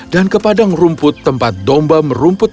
dan ke padang rumput tempat domba merumput